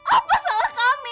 apa salah kami